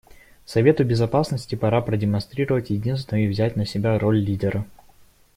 Совету Безопасности пора продемонстрировать единство и взять на себя роль лидера.